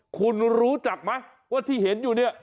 คุณรู้จักไหมว่าที่เห็นอยู่เนี่ย